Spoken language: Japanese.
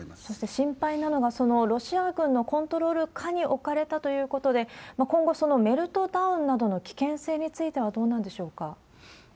そして心配なのが、そのロシア軍のコントロール下に置かれたということで、今後、そのメルトダウンなどの危険性についてはどうなんでしょうか？